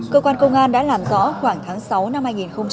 cơ quan công an đã làm rõ khoảng tháng sáu năm hai nghìn một mươi sáu